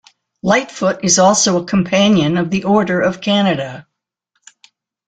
Lightfoot is also a Companion of the Order of Canada.